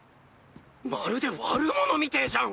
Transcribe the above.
まるで悪モノみてじゃん。